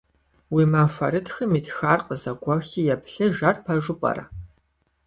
Уи махуэрытхым итхар къызэгуэхи еплъыж, ар пэжу пӀэрэ?